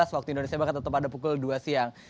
waktu indonesia barat tetap ada pukul dua siang